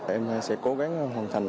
em sẽ cố gắng hoàn thành